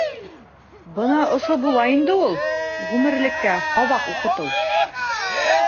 Бына ошо була инде ул ғүмерлеккә һабаҡ уҡытыу.